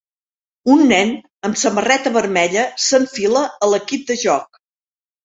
Un nen amb samarreta vermella s'enfila a l'equip de joc.